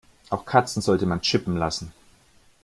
Auch Katzen sollte man chippen lassen.